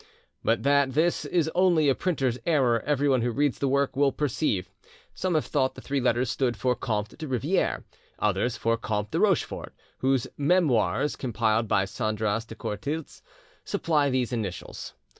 but that this is only a printer's error everyone who reads the work will perceive. Some have thought the three letters stood for Comte de Riviere, others for Comte de Rochefort, whose 'Memoires' compiled by Sandras de Courtilz supply these initials.